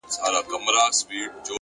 هره ناکامي د اصلاح پیغام لري